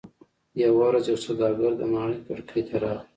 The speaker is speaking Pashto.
یوه ورځ یو سوداګر د ماڼۍ کړکۍ ته راغی.